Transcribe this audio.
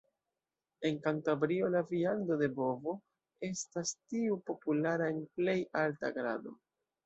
En Kantabrio la viando de bovo estas tiu populara en plej alta grado.